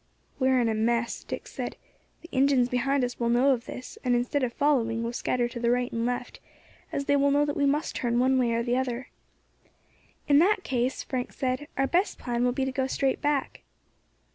"We are in a mess," Dick said. "The Injins behind us will know of this, and instead of following will scatter to the right and left, as they will know that we must turn one way or the other." "In that case," Frank said, "our best plan will be to go straight back."